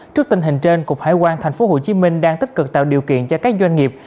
trước tình hình trên cục hải quan tp hcm đang tích cực tạo điều kiện cho các doanh nghiệp